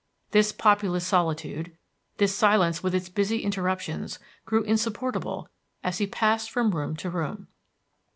This populous solitude, this silence with its busy interruptions, grew insupportable as he passed from room to room.